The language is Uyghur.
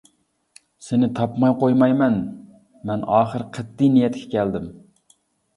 سېنى تاپماي قويمايمەن مەن ئاخىرى قەتئىي نىيەتكە كەلدىم.